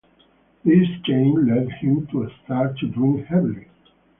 This change led him to start to drink heavily.